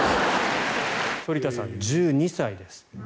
反田さん、１２歳です。